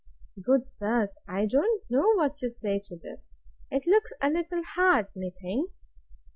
Good sirs! I don't know what to say to this! It looks a little hard, methinks!